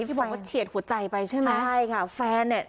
ที่บอกว่าเฉียดหัวใจไปใช่ไหมใช่ค่ะแฟนเนี่ย